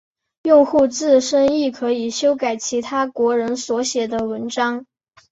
用户自身亦可以修改其他国人所写的文章。